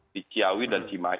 di kiawi dan cimai